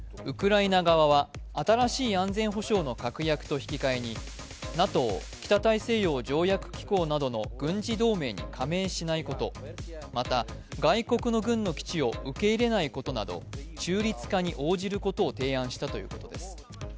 ウクライナ側は新しい安全保障の確約と引き換えにＮＡＴＯ＝北大西洋条約機構などの軍事同盟に加盟しないこと、また、外国の軍の基地を受け入れないことなど中立化に応じることを提案したということです。